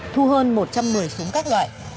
thu hơn một trăm một mươi súng các loại